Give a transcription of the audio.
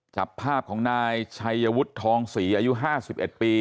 จับภาพของนายชัยวุฒิทองศรีอายุ๕๑ปี